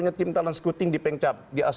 terima kasih pak jamal